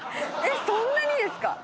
そんなにですか？